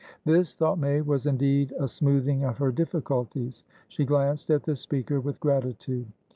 This, thought May, was indeed a smoothing of her difficulties. She glanced at the speaker with gratitude.